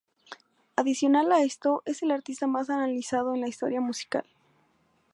Adicional a esto, es el artista más analizado en la historia musical.